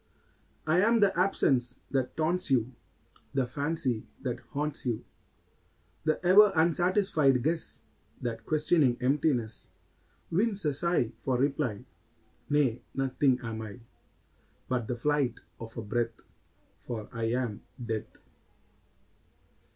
I am the absence that taunts you, The fancy that haunts you; The ever unsatisfied guess That, questioning emptiness, Wins a sigh for reply. Nay; nothing am I, But the flight of a breath For I am Death!